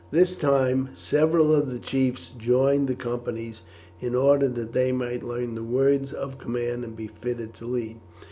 This time several of the chiefs joined the companies in order that they might learn the words of command and be fitted to lead.